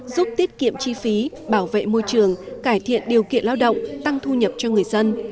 giúp tiết kiệm chi phí bảo vệ môi trường cải thiện điều kiện lao động tăng thu nhập cho người dân